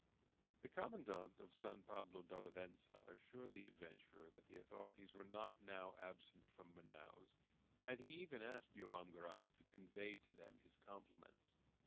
The commandant of San Pablo d'Olivença assured the adventurer that the authorities were not now absent from Manaos, and he even asked Joam Garral to convey to them his compliments.